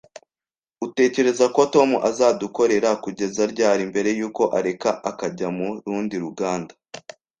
Utekereza ko Tom azadukorera kugeza ryari mbere yuko areka akajya mu rundi ruganda?